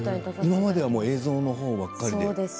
今までは映像のほうばかりで。